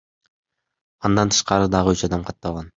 Андан тышкары дагы үч адам катталган.